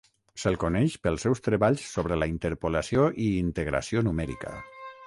Se'l coneix pels seus treballs sobre la interpolació i integració numèrica.